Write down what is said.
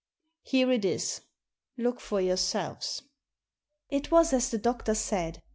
Here it is, look for your selves." It was as the doctor said.